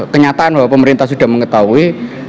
kenyataan bahwa pemerintah sudah mengetahui